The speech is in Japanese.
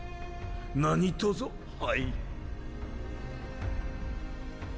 何とぞはい。